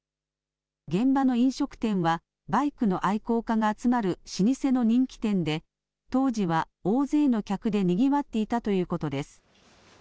現場の飲食店はバイクの愛好家が集まる老舗の人気店で、当時は大勢の客でにぎわっていたということです。